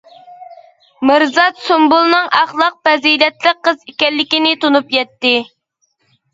مىرزات سۇمبۇلنىڭ ئەخلاق پەزىلەتلىك قىز ئىكەنلىكىنى تونۇپ يەتتى.